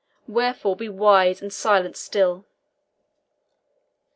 Wherefore, be wise and silent still."